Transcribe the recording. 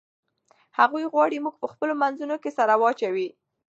هغوی غواړي موږ په خپلو منځونو کې سره واچوي.